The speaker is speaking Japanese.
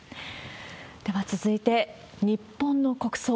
では続いて、日本の国葬。